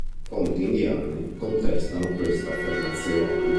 Fonti indiane contestano questa affermazione.